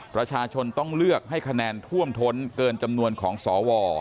ประชาชนต้องเลือกให้คะแนนท่วมท้นเกินจำนวนของสว